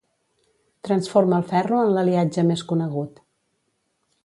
Transforma el ferro en l'aliatge més conegut.